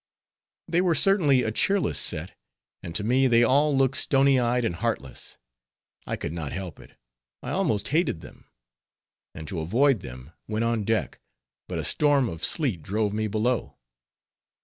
They were certainly a cheerless set, and to me they all looked stony eyed and heartless. I could not help it, I almost hated them; and to avoid them, went on deck, but a storm of sleet drove me below.